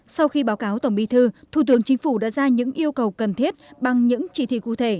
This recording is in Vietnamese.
sau khi báo cáo tổng bí thư thủ tướng chính phủ đã ra những yêu cầu cần thiết bằng những chỉ thị cụ thể